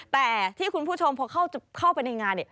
แต่ที่คุณผู้ชมพอเข้าไปในงาน